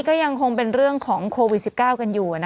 ก็ยังคงเป็นเรื่องของโควิด๑๙กันอยู่